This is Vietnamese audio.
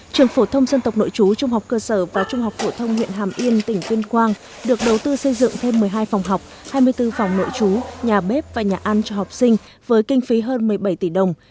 trường phổ thông dân tộc nội chú trung học cơ sở và trung học phổ thông huyện hàm yên tỉnh tuyên quang được đầu tư xây dựng thêm một mươi hai phòng học hai mươi bốn phòng nội trú nhà bếp và nhà ăn cho học sinh với kinh phí hơn một mươi bảy tỷ đồng